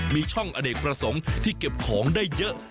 มีช่องอเนกประสงค์ที่เก็บของได้เยอะ